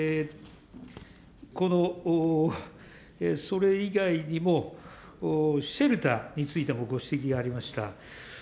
そして、この、それ以外にも、シェルターについてもご指摘がありました。